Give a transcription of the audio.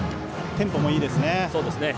テンポもいいですね。